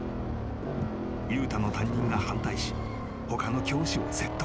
［悠太の担任が反対し他の教師を説得］